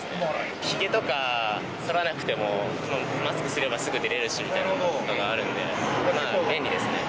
ひげとかそらなくても、マスクすればすぐ出れるしみたいなのがあるんで、まあ、便利ですね。